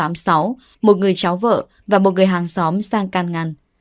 một người cháu vợ và một người hàng xóm sang can ngăn